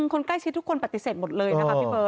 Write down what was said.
คนใกล้ชิดทุกคนปฏิเสธหมดเลยนะคะพี่เบิร์